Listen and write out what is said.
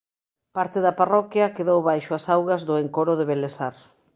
Parte da parroquia quedou baixo as augas do encoro de Belesar.